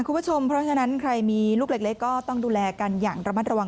คุณผู้ชมเพราะฉะนั้นใครมีลูกเล็กก็ต้องดูแลกันอย่างระมัดระวัง